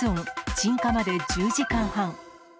鎮火まで１０時間半。